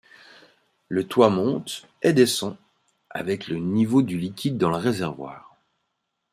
Le toit monte et descend avec le niveau du liquide dans le réservoir.